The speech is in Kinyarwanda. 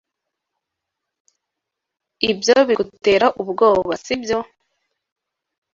Ibyo bigutera ubwoba, sibyo?